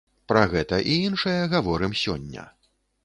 Пра гэта і іншае гаворым сёння.